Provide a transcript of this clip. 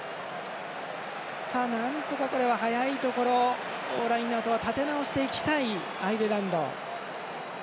なんとか早いところラインアウト立て直していきたいアイルランド。